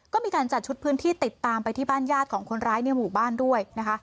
ก็มีการจัดชุดพื้นที่ติดตามไปที่บ้านญาติของคนร้ายในหมู่บ้านด้วยนะคะ